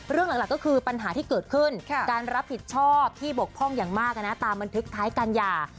เรื่องหลักก็คือปัญหาที่เกิดขึ้นการรับผิดชอบที่บกพร่องอย่างมากตามบันทึกท้ายการหย่า